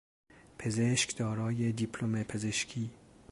پزشک دارای دیپلم پزشکی